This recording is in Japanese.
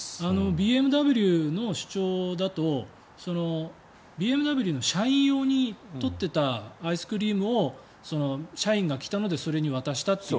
ＢＭＷの主張だとＢＭＷの社員用に取っていたアイスクリームを社員が来たのでそれに渡したという。